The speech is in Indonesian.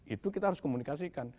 itu kita harus komunikasikan